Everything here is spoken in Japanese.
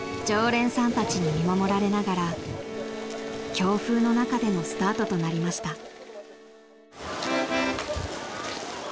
［常連さんたちに見守られながら強風の中でのスタートとなりました］